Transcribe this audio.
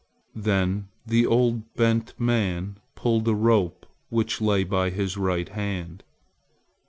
Then the old, bent man pulled at a rope which lay by his right hand.